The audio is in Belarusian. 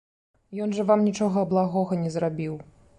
Ён жа вам нічога благога не зрабіў.